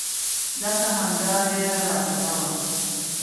ځکه همدا ويره راسره وه.